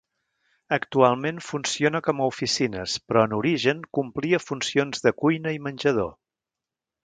Actualment funciona com a oficines, però en origen complia funcions de cuina i menjador.